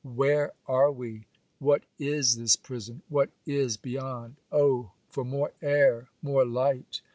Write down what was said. Where are we? What is this prison? What is beyond? Oh for more air, more light!